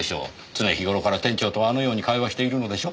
常日頃から店長とはあのように会話しているのでしょ？